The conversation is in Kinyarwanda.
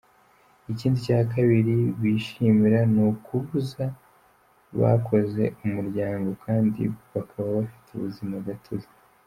Ikindi cya kabiri bishimira ni ukuba bakoze umuryango kandi bakaba bafite ubuzima gatozi.